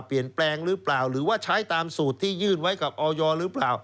เปลี่ยนแปลงหรือเปล่าหรือว่าใช้ตามสูตรที่ยื่นไว้กับออยหรือเปล่า